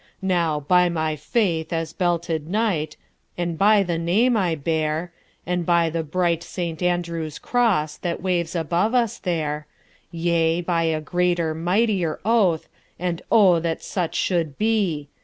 "Now, by my faith as belted knight, And by the name I bear, And by the bright Saint Andrew's crossThat waves above us there, Yea, by a greater, mightier oath—And oh, that such should be!